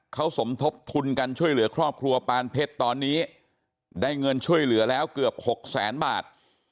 เขาสมทบทุนกันช่วยเหลือครอบครัวปานเพชรตอนนี้ได้เงินช่วยเหลือแล้วเกือบหกแสนบาท